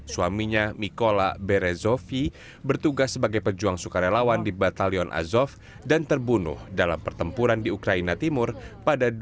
suaminya mikola berezovi bertugas sebagai pejuang sukarelawan di batalion azov dan terbunuh dalam pertempuran di ukraina timur pada dua ribu dua puluh